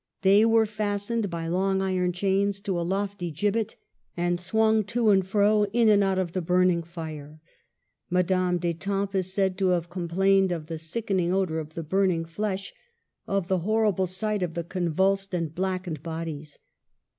They were fas tened by long iron chains to a lofty gibbet, and swung to and fro in and out of the burning fire. Madame d'Etampes is said to have complained of the sickening odor of the burning flesh; of the horrible sight of the convulsed and black ened bodies.